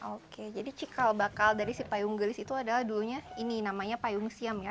oke jadi cikal bakal dari si payung gelis itu adalah dulunya ini namanya payung siam ya